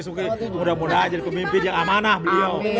sudah mudah jadi pemimpin yang amanah beliau